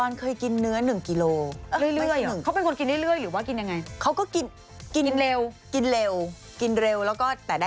แล้วพี่ไปเอาตังหนูมาซื้อป่าลล่ะ